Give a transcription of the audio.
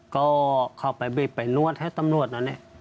ก็เขาไปบีบไปนวดให้ตำรวจนั้น